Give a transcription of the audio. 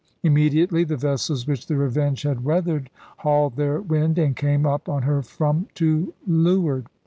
Immediately the vessels which the Revenge had weathered hauled their wind and came up on her from to leeward.